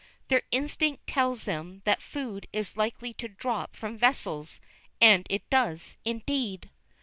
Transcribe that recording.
Their instinct tells them that food is likely to drop from vessels, and it does, indeed.